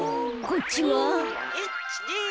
こっちは？